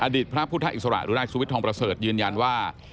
พระพุทธอิสระหรือนายสุวิททองประเสริฐยืนยันว่า